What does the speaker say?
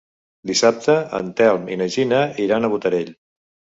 Dissabte en Telm i na Gina iran a Botarell.